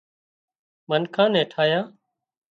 منکان نين ٺاهيان